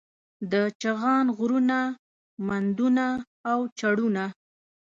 د چغان غرونه، مندونه او چړونه